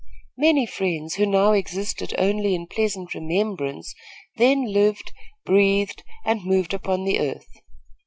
Many friends, who now existed only in pleasant remembrance, then lived, breathed and moved upon the earth.